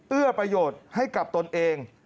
เอื้อประโยชน์ให้กับตนเอง